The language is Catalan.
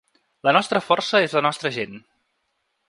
La nostra força és la nostra gent.